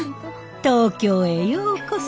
東京へようこそ。